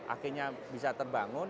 akhirnya bisa terbangun